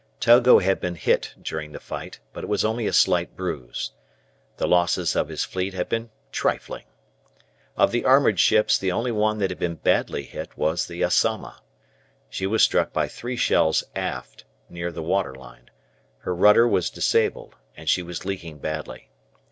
Togo had been hit during the fight, but it was only a slight bruise. The losses of his fleet had been trifling. Of the armoured ships the only one that had been badly hit was the "Asama." She was struck by three shells aft near the water line, her rudder was disabled, and she was leaking badly.